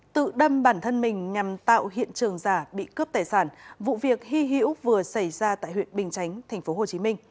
tự đâm bản thân mình nhằm tạo hiện trường giả bị cướp tài sản vụ việc hy hữu vừa xảy ra tại huyện bình chánh tp hcm